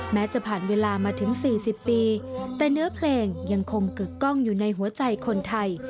จะผ่านเวลามาถึง๔๐ปีแต่เนื้อเพลงยังคงกึกกล้องอยู่ในหัวใจคนไทย